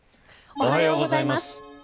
おはようございます。